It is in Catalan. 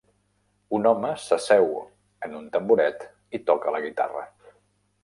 Un home s'asseu en un tamboret i toca la guitarra.